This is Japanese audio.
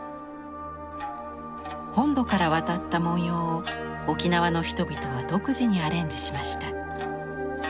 本土から渡った文様を沖縄の人々は独自にアレンジしました。